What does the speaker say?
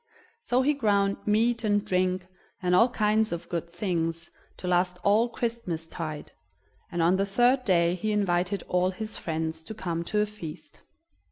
So he ground meat and drink, and all kinds of good things, to last all Christmas tide, and on the third day he invited all his friends to come to a feast.